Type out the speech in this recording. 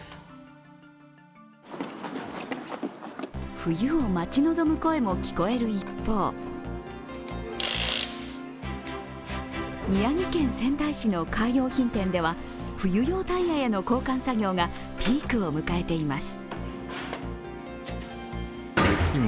冬を待ち望む声も聞こえる一方宮城県仙台市のカー用品店では冬用タイヤへの交換作業がピークを迎えています。